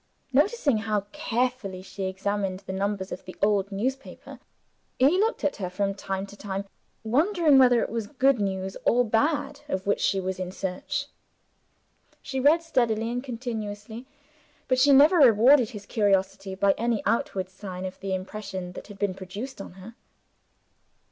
Noticing how carefully she examined the numbers of the old newspaper, he looked at her, from time to time, wondering whether it was good news or bad of which she was in search. She read steadily and continuously; but she never rewarded his curiosity by any outward sign of the impression that had been produced on her.